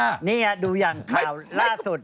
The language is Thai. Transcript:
นี่ไงดูอย่างข่าวล่าสุด